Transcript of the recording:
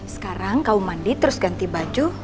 sekarang kau mandi terus ganti baju